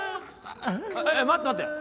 待って待って。